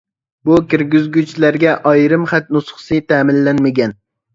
بۇ كىرگۈزگۈچلەرگە ئايرىم خەت نۇسخىسى تەمىنلەنمىگەن.